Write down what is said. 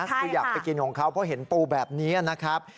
คืออยากไปกินของเขาเพราะเห็นปูแบบนี้นะครับ